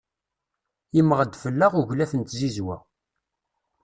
Yemmeɣ-d fell-aɣ uglaf n tzizwa.